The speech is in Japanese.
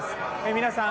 皆さん